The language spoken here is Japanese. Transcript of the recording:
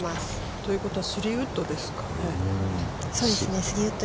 ということは、３番ウッドですかね。